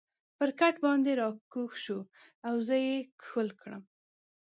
پر کټ باندې را کږ شو او زه یې ښکل کړم.